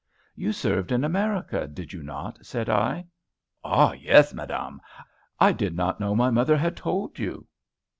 "You served in America, did you not?" said I. "Ah, yes, madame! I did not know my mother had told you."